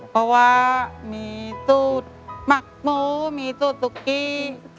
เพราะว่ามีสูตรหมักหมูมีสูตรตุ๊กกี้